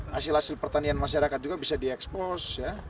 hasil hasil pertanian masyarakat juga bisa diekspos